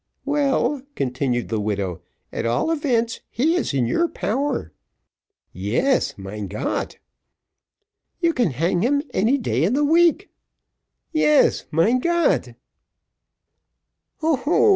well," continued the widow, "at all events he is in your power." "Yes, mein Gott!" "You can hang him any day in the week." "Yes, mein Gott!" "Ho, ho!